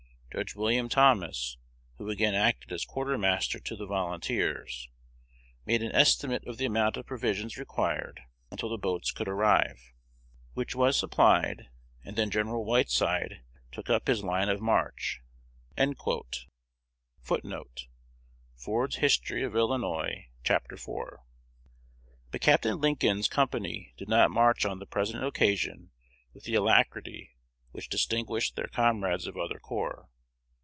Judge William Thomas, who again acted as quartermaster to the volunteers, made an estimate of the amount of provisions required until the boats could arrive, which was supplied; and then Gen. Whiteside took up his line of march." 1 But Capt. Lincoln's company did not march on the present occasion with the alacrity which distinguished their comrades of other corps.